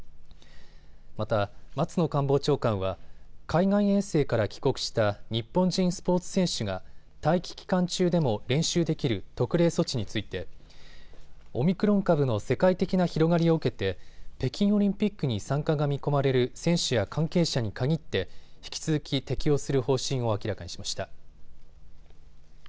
また、松野官房長官は海外遠征から帰国した日本人スポーツ選手が待機期間中でも練習できる特例措置についてオミクロン株の世界的な広がりを受けて北京オリンピックに参加が見込まれる選手や関係者に限って引き続き適用する方針を明らかにしました。